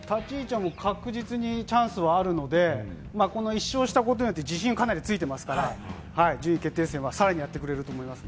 確実にチャンスはあるので、この１勝したことによって自信がかなりついていますから、順位決定戦はさらにやってくれると思います。